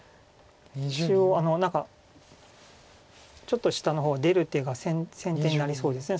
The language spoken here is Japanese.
中央何かちょっと下の方出る手が先手になりそうですよね